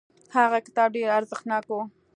هغه کتاب ډیر ارزښتناک و.